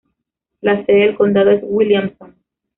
La sede del condado es Williamson.